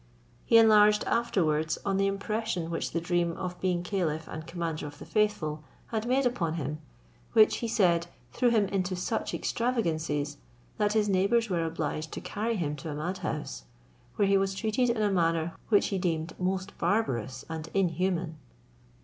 He enlarged afterwards on the impression which the dream of being caliph and commander of the faithful had made upon him, which, he said, threw him into such extravagancies, that his neighbours were obliged to carry him to a mad house, where he was treated in a manner which he deemed most barbarous and inhuman.